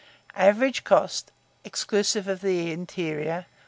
Average cost, exclusive of interior, 1s.